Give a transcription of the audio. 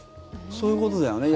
そういうことだよね。